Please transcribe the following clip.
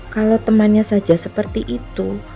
kalau temannya saja seperti itu